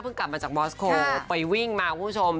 เพิ่งกลับมาจากบอสโกไปวิ่งมาตอนนี้คุณผู้ชม